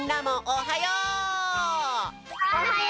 おはよう！